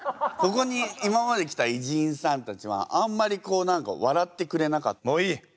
ここに今まで来た偉人さんたちはあんまりこう何か笑ってくれなかった。